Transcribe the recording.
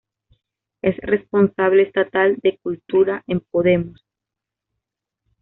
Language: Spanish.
Es responsable estatal de Cultura en Podemos.